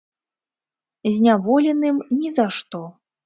Зняволеным ні за што.